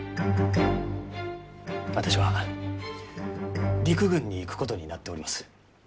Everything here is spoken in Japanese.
私は陸軍に行くことになっております。